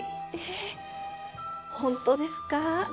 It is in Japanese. えっ本当ですか？